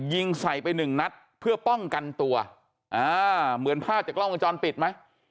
ยิงใส่ไปหนึ่งนัดเพื่อป้องกันตัวอ่าเหมือนภาพจากกล้องวงจรปิดไหม